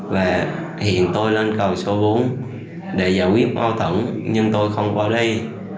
và hiện tôi lên cầu số bốn để giải quyết bao tổng nhưng tôi không có đây